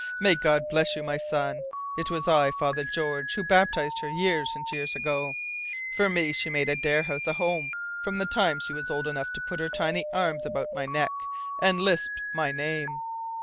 "May God bless you, my son! It was I, Father George, who baptized her years and years ago. For me she made Adare House a home from the time she was old enough to put her tiny arms about my neck and lisp my name.